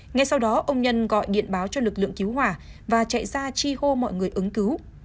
ngay sau đó ông nhân gọi điện báo cho lực lượng cứu hỏa và chạy ra chi hô mọi người ứng cứu